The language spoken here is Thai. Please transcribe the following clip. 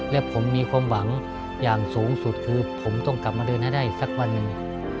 และผมมีความหวังอย่างสูงสุดคือผมต้องกลับมาเดินให้ได้อีกสักวันหนึ่ง